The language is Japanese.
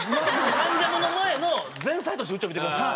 『関ジャム』の前の前菜としてこっちを見てください。